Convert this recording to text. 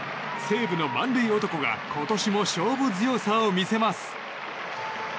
西武の満塁男が今年も勝負強さを見せます。